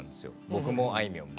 僕もあいみょんも。